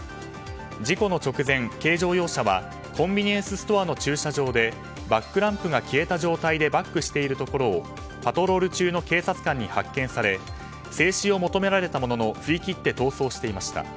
事故の直前、軽乗用車はコンビニエンスストアの駐車場でバックランプが消えた状態でバックしているところをパトロール中の警察官に発見され制止を求められたものの振り切って逃走していました。